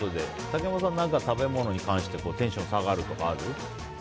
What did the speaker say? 竹山さん、何か食べ物に関してテンション下がるとかある？